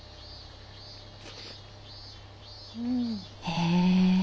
へえ。